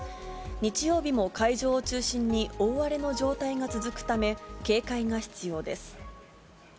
日曜日も海上を中心に大荒れの状態が続くため、警戒が必要です。